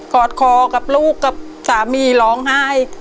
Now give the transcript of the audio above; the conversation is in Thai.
อดคอกับลูกกับสามีร้องไห้